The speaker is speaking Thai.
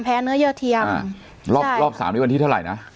แพ้เนื้อเยื่อเทียมอ่าใช่รอบรอบสามนี้วันที่เท่าไรน่ะ